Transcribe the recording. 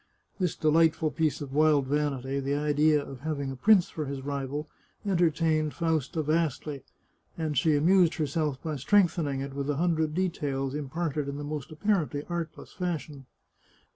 This delightful piece of wild vanity, the idea of having a prince for his rival, entertained Fausta vastly, and she amused herself by strengthening it with a hundred details, imparted in the most apparently artless fashion.